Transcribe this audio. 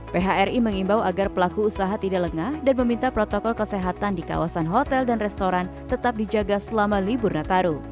phri mengimbau agar pelaku usaha tidak lengah dan meminta protokol kesehatan di kawasan hotel dan restoran tetap dijaga selama libur nataru